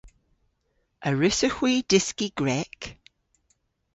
A wrussowgh hwi dyski Grek?